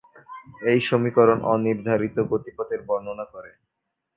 এই সমীকরণ অনির্ধারিত গতিপথের বর্ণনা করে।